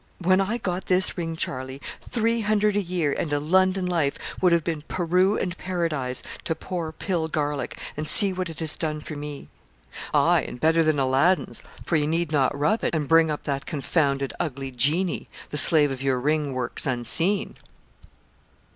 'When I got this ring, Charlie, three hundred a year and a London life would have been Peru and Paradise to poor Pill Garlick, and see what it has done for me.' 'Aye, and better than Aladdin's, for you need not rub it and bring up that confounded ugly genii; the slave of your ring works unseen.'